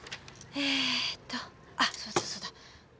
えっとあっそうだそうだ。